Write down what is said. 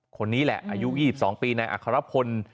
คนนี้แหละอายุ๒๒ปีนายอัครพล